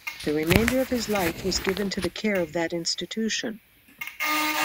The remainder of his life was given to the care of that institution.